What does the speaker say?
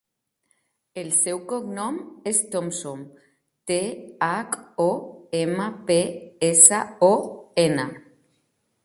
El seu cognom és Thompson: te, hac, o, ema, pe, essa, o, ena.